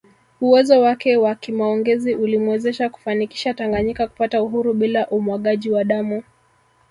Uwezo wake wa kimaongezi ulimwezesha kufanikisha Tanganyika kupata uhuru bila umwagaji wa damu